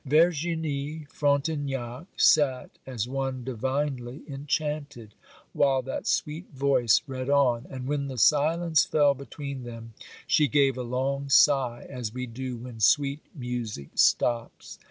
Verginie Frontignac sat as one divinely enchanted, while that sweet voice read on; and when the silence fell between them she gave a long sigh as we do when sweet music stops.